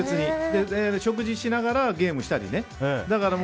食事しながらゲームしたり。